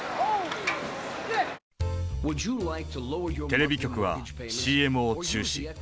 テレビ局はＣＭを中止。